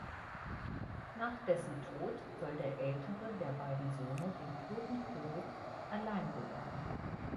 Nach dessen Tod soll der ältere der beiden Söhne den toten König allein beerben.